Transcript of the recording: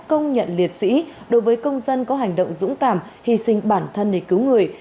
công nhận liệt sĩ đối với công dân có hành động dũng cảm hy sinh bản thân để cứu người